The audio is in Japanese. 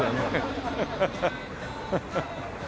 ハハハハハ。